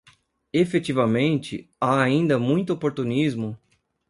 Efetivamente, há ainda muito oportunismo